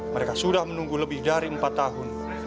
mereka sudah menunggu lebih dari empat tahun